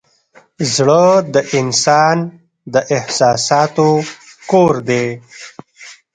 زړه د انسان د احساساتو کور دی.